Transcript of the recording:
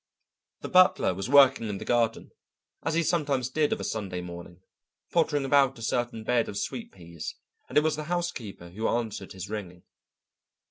The butler was working in the garden, as he sometimes did of a Sunday morning, pottering about a certain bed of sweet peas, and it was the housekeeper who answered his ring.